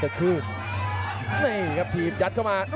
สวัสดิ์นุ่มสตึกชัยโลธสวัสดิ์